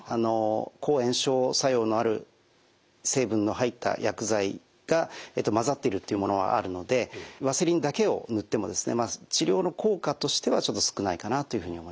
抗炎症作用のある成分の入った薬剤が混ざってるっていうものがあるのでワセリンだけを塗っても治療の効果としては少ないかなというふうに思います。